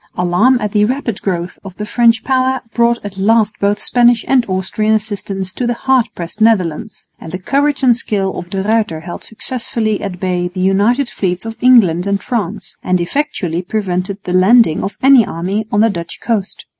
Alarm at the rapid growth of the French power brought at last both Spanish and Austrian assistance to the hard pressed Netherlands; and the courage and skill of De Ruyter held successfully at bay the united fleets of England and France, and effectually prevented the landing of an army on the Dutch coast.